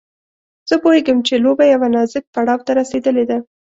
زه پوهېږم چې لوبه يوه نازک پړاو ته رسېدلې ده.